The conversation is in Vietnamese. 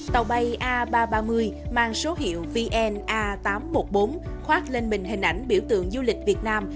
tàu bay a ba trăm ba mươi mang số hiệu vn a tám trăm một mươi bốn khoát lên mình hình ảnh biểu tượng du lịch việt nam